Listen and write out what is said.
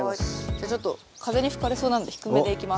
じゃちょっと風に吹かれそうなんで低めでいきます。